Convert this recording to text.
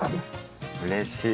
うれしい！